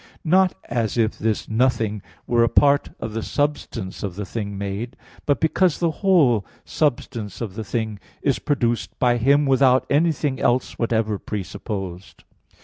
1), not as if this nothing were a part of the substance of the thing made, but because the whole substance of a thing is produced by Him without anything else whatever presupposed.